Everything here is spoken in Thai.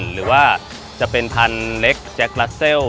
หรือว่าจะเป็นพันธุ์เล็กแจ็คลัสเซล